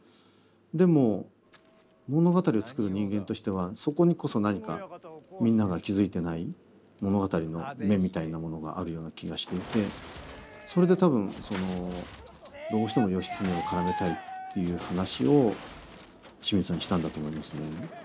でも物語を作る人間としてはそこにこそ何かみんなが気付いてない物語の芽みたいなものがあるような気がしていてそれで多分どうしても義経を絡めたいっていう話を清水さんにしたんだと思いますね。